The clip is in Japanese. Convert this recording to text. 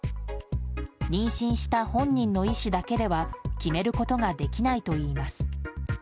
妊娠した本人の意志だけでは決めることができないといいます。